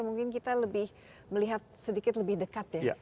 mungkin kita lebih melihat sedikit lebih dekat ya